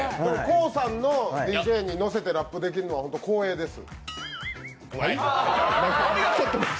ＫＯＯさんのＤＪに乗せてラップできるのは、本当、光栄です。